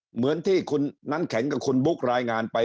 เหมือนที่คุณน้ำแข็งกับคุณบุ๊ครายงานไป